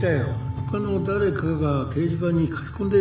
他の誰かが掲示板に書き込んでいるかもね